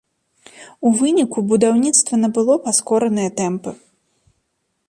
У выніку будаўніцтва набыло паскораныя тэмпы.